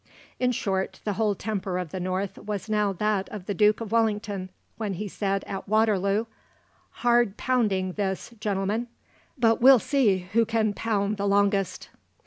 In short, the whole temper of the North was now that of the Duke of Wellington, when he said at Waterloo, "Hard pounding this, gentlemen; but we'll see who can pound the longest."